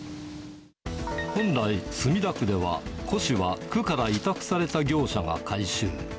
本来、墨田区では、古紙は区から委託された業者が回収。